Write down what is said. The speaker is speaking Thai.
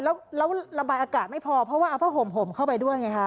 แล้วระบายอากาศไม่พอเพราะว่าเอาผ้าห่มห่มเข้าไปด้วยไงคะ